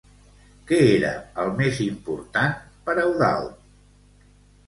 Què era el més important per Eudald?